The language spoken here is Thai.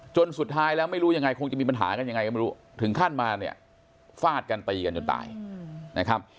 สุดท้ายแล้วไม่รู้ยังไงคงจะมีปัญหากันยังไงก็ไม่รู้ถึงขั้นมาเนี่ยฟาดกันตีกันจนตายนะครับ